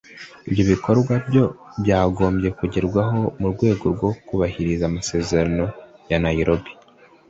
Ibyo bikorwa ngo byagombye kugerwaho mu rwego rwo kubahiriza amasezerano ya Nairobi